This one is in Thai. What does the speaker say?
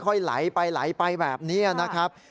ค่อยไหลไปไปแบบนี้นะครับ